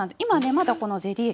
まだこのゼリー液